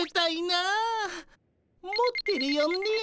持ってるよね？